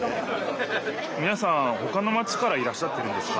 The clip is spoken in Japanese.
みなさんほかのマチからいらっしゃってるんですか？